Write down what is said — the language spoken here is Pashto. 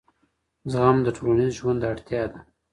زغم د ټولنیز ژوند اړتیا ده.